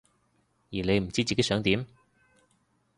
而你唔知自己想點？